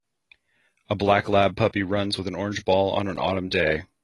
A black lab puppy runs with an orange ball on an autumn day.